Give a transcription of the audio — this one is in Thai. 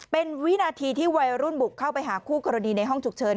เป็นวินาทีที่วัยรุ่นบุกเข้าไปหาคู่กรณีในห้องฉุกเฉิน